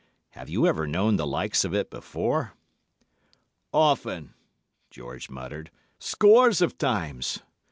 Have you ever known the likes of it before?' "'Often,' George muttered. 'Scores of times.